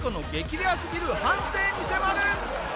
レアすぎる半生に迫る！